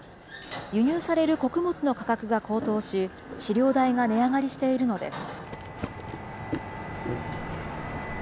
輸入される穀物の価格が高騰し、飼料代が値上がりしているのです。